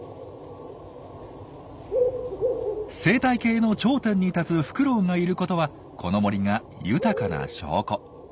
生態系の頂点に立つフクロウがいることはこの森が豊かな証拠。